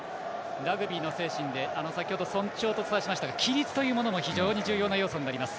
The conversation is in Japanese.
ラグビーの精神で先ほど尊重とお伝えしましたが規律というものも非常に重要な要素になります。